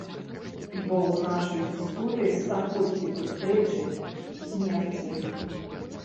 Бо ў нашай гісторыі стагоддзі пустэчы, смерці.